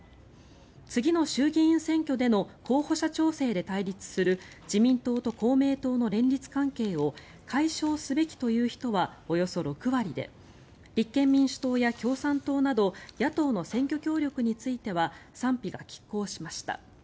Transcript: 次の衆議院選挙での候補者調整で対立する自民党と公明党の連立関係を解消すべきという人はおよそ６割で立憲民主党や共産党など野党の選挙協力については賛否がきっ抗しました。